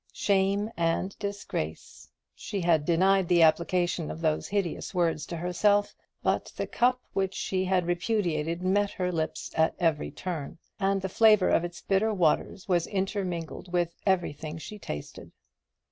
Shame and disgrace she had denied the application of those hideous words to herself: but the cup which she had repudiated met her lips at every turn, and the flavour of its bitter waters was intermingled with everything she tasted.